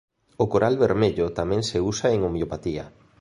O coral vermello tamén se usa en homeopatía.